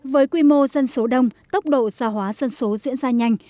với quy mô dân số đông tốc độ xa hóa dân số diễn ra nhanh